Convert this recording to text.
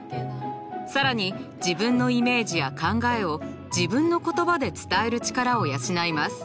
更に自分のイメージや考えを自分の言葉で伝える力を養います。